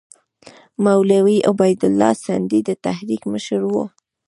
مولوي عبیدالله سندي د تحریک مشر وو.